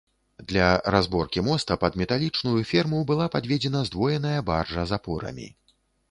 Для разборкі моста пад металічную ферму была падведзена здвоеная баржа з апорамі.